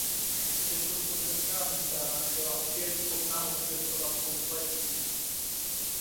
Československá výprava nebyla opět schopna odcestovat kompletní.